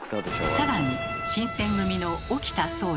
更に新選組の沖田総司。